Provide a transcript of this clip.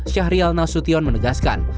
syahrial nasution menegaskan